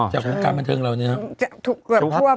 จากวงการบันเทิงเราเนี่ยควบ